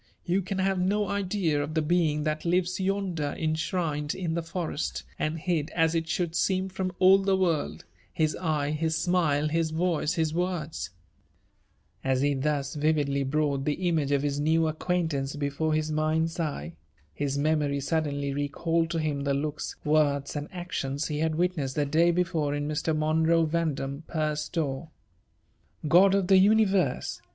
You can have no idea of the being that lives yonder, enshrined in the forest, and hid as it should seem from all the world : his eye, his smile, his voice, his words —" As he thus vividly brought the image of his new acquaintance before his mind's eye, his memory suddenly recalled to him the looks, words, and actions he had witnessed the day before in Mr. Monroe Yandum per's store. " God of the universe!"